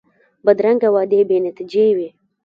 بدرنګه وعدې بې نتیجې وي